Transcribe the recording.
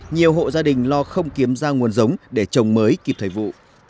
nhiều hộ gia đình lo không kiếm ra nguồn giống để trồng mới kịp thời vụ